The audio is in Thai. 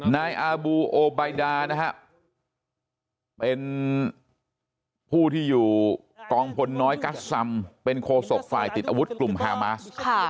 นายอาบูโอไบดานะฮะเป็นผู้ที่อยู่กองพลน้อยกัสซัมเป็นโคศกฝ่ายติดอาวุธกลุ่มฮามาส